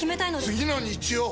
次の日曜！